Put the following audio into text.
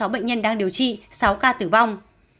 ba trăm ba mươi sáu bệnh nhân đang điều trị sáu ca tử vong